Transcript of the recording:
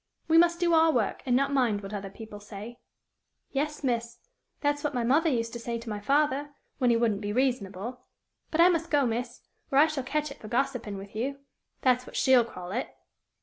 We must do our work, and not mind what people say." "Yes, miss, that's what my mother used to say to my father, when he wouldn't be reasonable. But I must go, miss, or I shall catch it for gossiping with you that's what she'll call it."